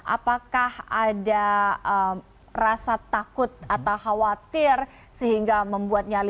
apakah ada rasa takut atau khawatir sehingga membuatnya